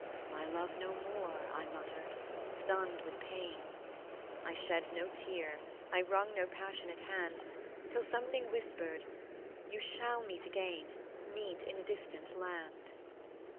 "My love no more," I muttered, stunned with pain: I shed no tear, I wrung no passionate hand, Till something whispered: "You shall meet again, Meet in a distant land."